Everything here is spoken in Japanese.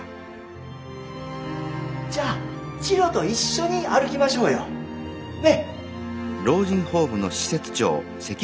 じゃあチロと一緒に歩きましょうよ！ね！